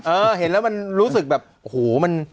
เออเห็นแล้วมันรู้สึกแบบโหมัน